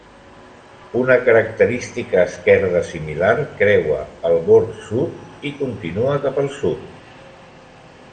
Una característica esquerda similar creua el bord sud i continua cap al sud.